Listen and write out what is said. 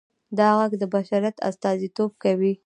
دا غږ د بشریت استازیتوب کوي.